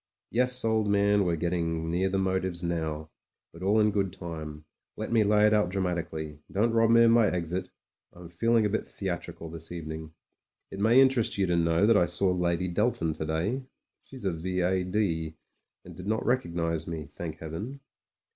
Yes, old man, we're getting near the motives now; but all in good time. Let me lay it out dramatically ; don't rob me of my exit — I'm feeling a bit theatrical, this evening. It may interest you to know that I saw Lady Delton to day : she's a V.A.D., and did not rec ognise me, thank Heaven